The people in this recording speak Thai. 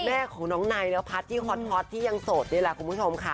แม่ของน้องนายนพัฒน์ที่ฮอตที่ยังโสดนี่แหละคุณผู้ชมค่ะ